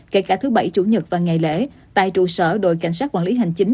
kể cả thứ bảy chủ nhật và ngày lễ tại trụ sở đội cảnh sát quản lý hành chính